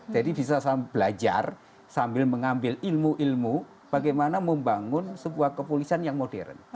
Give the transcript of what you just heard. jadi bisa belajar sambil mengambil ilmu ilmu bagaimana membangun sebuah kepolisian yang modern